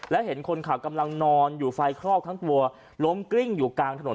และเห็นคนขับกำลังนอนอยู่ไฟคลอกทั้งตัวล้มกลิ้งอยู่กลางถนน